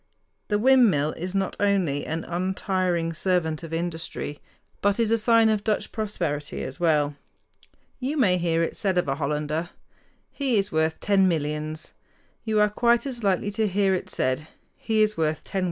The windmill is not only an untiring servant of industry, but is a sign of Dutch prosperity as well. You may hear it said of a Hollander, "He is worth ten millions." You are quite as likely to hear it said, "He is worth ten windmills."